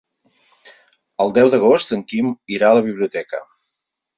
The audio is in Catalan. El deu d'agost en Quim irà a la biblioteca.